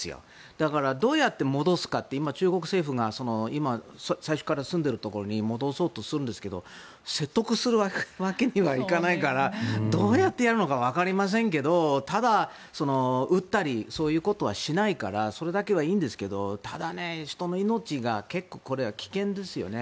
だから、どうやって戻すかって今、中国政府が最初から住んでいるところに戻そうとするんですけど説得するわけにはいかないからどうやってやるのかわかりませんけどただ、撃ったりそういうことはしないからそれだけはいいんですけどただ、人の命が結構、これは危険ですよね。